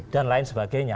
dan lain sebagainya